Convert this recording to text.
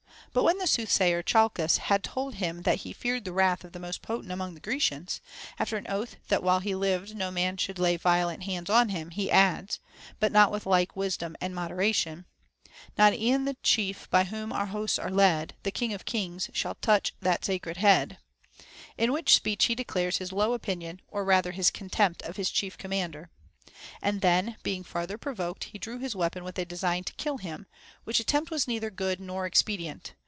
But when the soothsayer Chalcas had told him that he feared the wrath of the most potent among the Grecians, after an oath that while he lived no man should lay violent hands on him, he adds, hut not with like wisdom and moderation, Not e'en the chief by whom our hosts are led, The king of kings, shall touch that sacred head ; in which speech he declares his low opinion or rather his contempt of his chief commander. And then, being• farther provoked, he drew his weapon with a design to kill him, which attempt was neither good nor expedient.